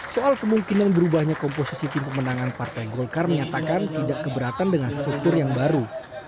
soal kemungkinan berubahnya komposisi tim pemenangan partai golkar menyatakan tidak keberatan dengan struktur yang baru